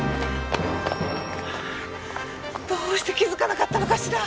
どうして気づかなかったのかしら。